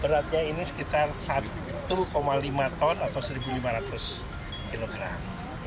beratnya ini sekitar satu lima ton atau satu lima ratus kilogram